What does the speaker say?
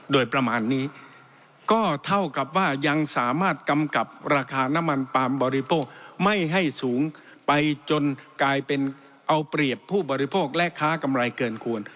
โดยประมาณนี้ก็เท่ากับว่ายังสามารถกำกับราคาน้ำมันปาล์มบริโภคไม่ให้สูงไปจนกลายเป็นเอาเปรียบผู้บริโภคและค้ากำไรเกินควร